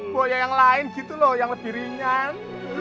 buaya yang lain gitu loh yang lebih ringan